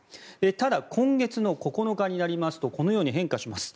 ただ、今月の９日になりますとこのように変化します。